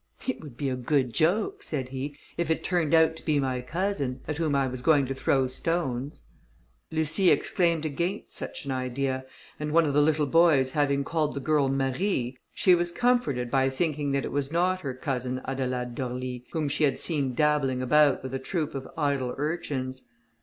"It would be a good joke," said he, "if it turned out to be my cousin, at whom I was going to throw stones." Lucie exclaimed against such an idea, and one of the little boys having called the girl Marie, she was comforted by thinking that it was not her cousin Adelaide d'Orly, whom she had seen dabbling about with a troop of little idle urchins.